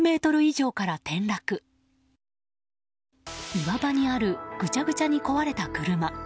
岩場にあるぐちゃぐちゃに壊れた車。